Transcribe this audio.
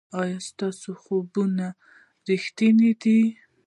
ایا ستاسو خوبونه ریښتیني دي؟